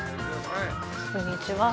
こんにちは。